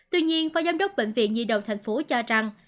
tuy nhiên phó giám đốc bệnh viện nhi đồng thành phố cho rằng